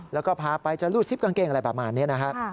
แล้วก็พาไปจะลูดซิปกางเกงอะไรแบบนี้